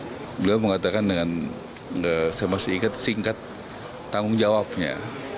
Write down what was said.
beliau mengatakan dengan saya masih ingat singkat tanggung jawabnya